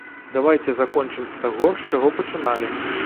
Давайце закончым з таго, з чаго пачыналі.